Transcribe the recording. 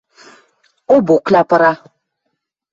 Обокля пыра.